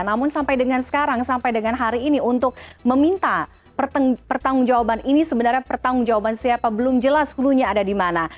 namun sampai dengan sekarang sampai dengan hari ini untuk meminta pertanggung jawaban ini sebenarnya pertanggung jawaban siapa belum jelas hulunya ada di mana